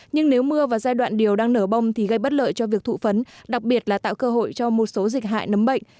nhưng nếu mưa và giai đoạn điều đang nở bông thì gây bất lợi cho việc thụ phấn đặc biệt là tạo cơ hội cho một số dịch hại nấm bệnh